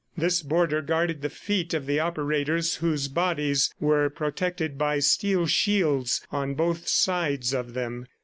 This border guarded the feet of the operators whose bodies were protected by steel shields on both sides of them.